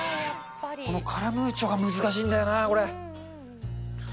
このカラムーチョが難しいんだよな、これ。